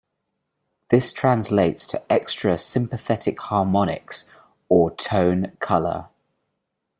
This translates to extra sympathetic harmonics or "tone color".